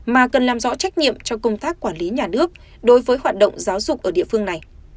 mà cần làm rõ trách nhiệm cho công tác quản lý nhà nước đối với hoạt động giáo dục ở địa phương này